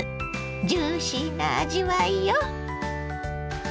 ジューシーな味わいよ。